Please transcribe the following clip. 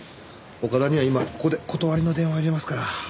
岡田には今ここで断りの電話を入れますから。